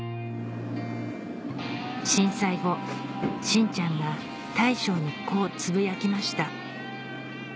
震災後真ちゃんが大将にこうつぶやきました